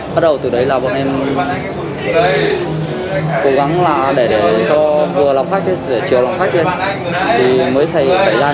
bắt đầu từ đấy là bọn em cố gắng là để cho vừa lọc khách để chiều lọc khách lên thì mới xảy ra như thế này